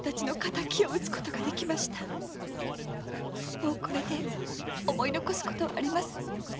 もうこれで思い残すことはありません。